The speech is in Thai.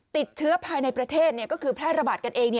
ติดเชื้อภายในประเทศก็คือแพร่ระบาดกันเอง